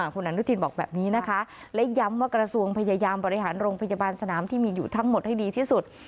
คุณอนุทินบอกแบบนี้นะคะและย้ำว่ากระทรวงพยายามบริหารโรงพยาบาลสนามที่มีอยู่ทั้งหมดให้ดีที่สุด